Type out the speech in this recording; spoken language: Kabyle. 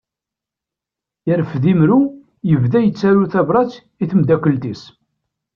Yerfed imru, yebda yettaru tabrat i tmeddakelt-is.